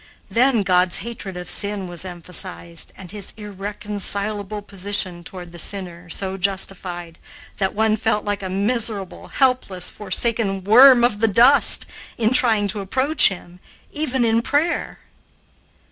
Then God's hatred of sin was emphasized and his irreconcilable position toward the sinner so justified that one felt like a miserable, helpless, forsaken worm of the dust in trying to approach him, even in prayer.